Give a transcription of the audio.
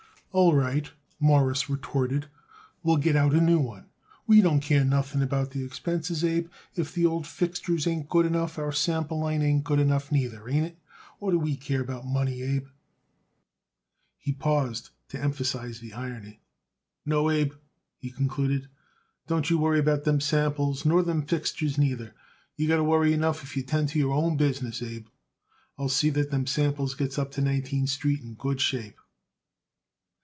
"All right," Morris retorted, "we'll get out a new one. We don't care nothing about the expenses, Abe. If the old fixtures ain't good enough our sample line ain't good enough, neither. Ain't it? What do we care about money, Abe?" He paused to emphasize the irony. "No, Abe," he concluded, "don't you worry about them samples, nor them fixtures, neither. You got worry enough if you tend to your own business, Abe. I'll see that them samples gets up to Nineteenth Street in good shape."